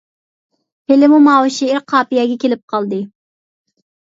ھېلىمۇ ماۋۇ شېئىر قاپىيەگە كېلىپ قالدى.